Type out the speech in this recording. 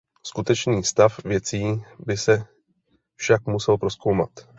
Skutečný stav věcí by se však musel prozkoumat.